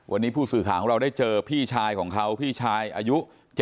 วันนี้ผู้สื่อข่าวของเราได้เจอพี่ชายของเขาพี่ชายอายุ๗๐